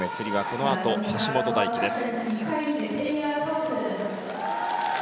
このあと橋本大輝です。